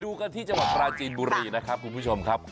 กันที่จังหวัดปราจีนบุรีนะครับคุณผู้ชมครับ